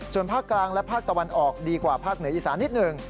ส่วนภาคกลางและภาคตะวันออกดีกว่าภาคเหนืออีสานนิดหนึ่ง